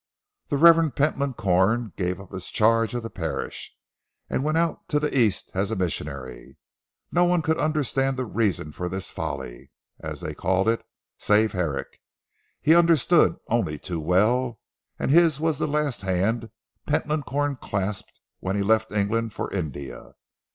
The Rev. Pentland Corn gave up his charge of the Parish, and went out to the East as a missionary. No one could understand the reason for this folly as they called it save Herrick. He understood only too well, and his was the last hand Pentland Corn clasped when he left England for India.